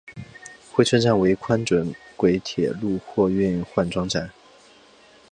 珲春站为宽准轨铁路货运换装站。